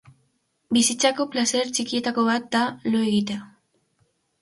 Bizitzako plazer txikietako bat da lo egitea